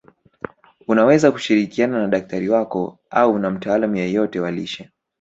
Unaweza kushirikiana na daktari wako au na mtaalamu yoyote wa lishe